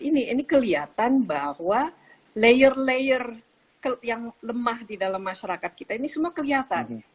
ini kelihatan bahwa layer layer yang lemah di dalam masyarakat kita ini semua kelihatan